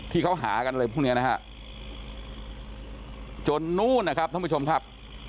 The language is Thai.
ที่เขาหากันอะไรพวกนี้นะฮะจนนู่นนะครับท่านผู้ชมครับ